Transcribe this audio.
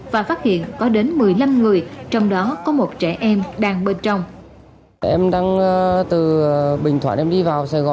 và phát hiện có đến một mươi năm người trong đó có một trẻ em đang bên trong